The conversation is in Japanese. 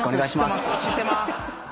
知ってますよ。